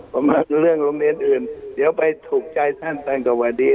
ประมาณเรื่องโรงเรียนอื่นเดี๋ยวไปถูกใจท่านท่านก็ว่าดี